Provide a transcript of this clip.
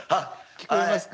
聞こえますか？